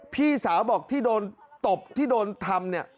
พี่สาวบอกที่โดนตบที่โดนทำเนี่ย